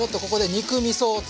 肉みそ。